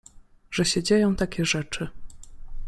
że się dzieją takie rzeczy.